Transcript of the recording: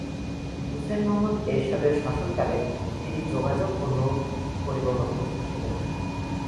হুসাইন মুহম্মদ এরশাদের শাসনকালে তিনি যোগাযোগ ও নৌ-পরিবহন মন্ত্রী ছিলেন।